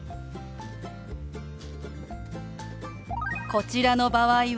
こちらの場合は？